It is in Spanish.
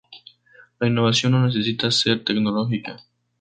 La innovación no necesita ser tecnológica.